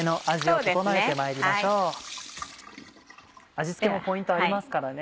味付けもポイントありますからね。